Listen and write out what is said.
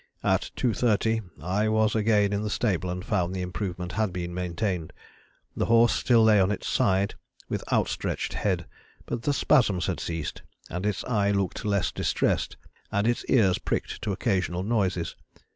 At 2.30 I was again in the stable and found the improvement had been maintained; the horse still lay on its side with outstretched head, but the spasms had ceased, its eye looked less distressed, and its ears pricked to occasional noises.